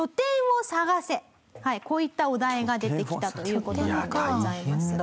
こういったお題が出てきたという事なのでございます。